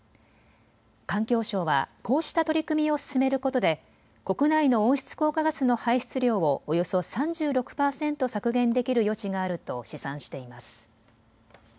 環境省はこうした取り組みを進めることで国内の温室効果ガスの排出量をおよそ３６％削減できる余地があると試算しています。